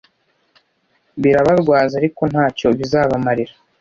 birabarwaza ariko nta cyo bizabamarira